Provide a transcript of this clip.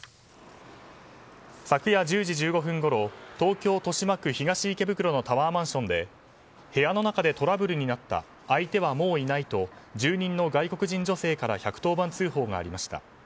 昨夜１０時１５分ごろ東京・豊島区東池袋のタワーマンションで部屋の中でトラブルになった相手はもういないと住人の外国人女性から１１０番通報がありました。